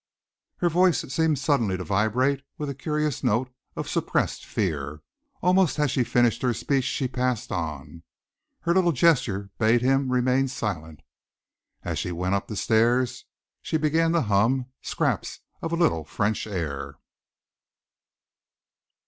Her voice seemed suddenly to vibrate with a curious note of suppressed fear. Almost as she finished her speech, she passed on. Her little gesture bade him remain silent. As she went up the stairs, she began to hum scraps of a little French air.